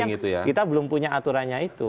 yang kita belum punya aturannya itu